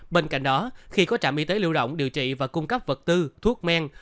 bên cạnh đó khi có trạm y tế lưu động điều trị và cung cấp vật tư thuốc men